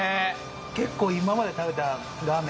結構今まで食べたラーメン